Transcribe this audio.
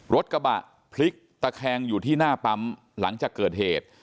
รถกระบะพลิกตะแคงอยู่ที่หน้าปั๊มหลังจากเกิดเหตุ